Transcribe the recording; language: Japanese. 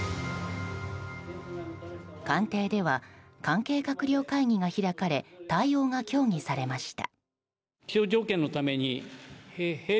官邸では、関係閣僚会議が開かれ対応が協議されました。